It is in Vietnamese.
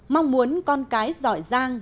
mong muốn con cái giỏi giang